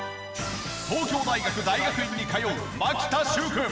東京大学大学院に通う牧田習君。